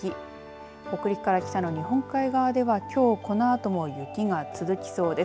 北陸から北の日本海側ではきょうこのあとも雪が続きそうです。